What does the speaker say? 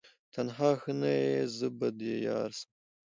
تنها ښه نه یې زه به دي یارسم